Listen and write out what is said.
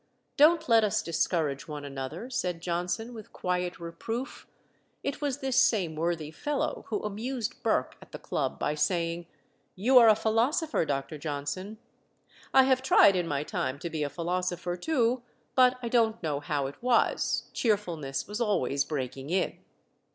"Don't let us discourage one another," said Johnson, with quiet reproof. It was this same worthy fellow who amused Burke at the club by saying "You are a philosopher, Dr. Johnson. I have tried in my time to be a philosopher too, but I don't know how it was, cheerfulness was always breaking in."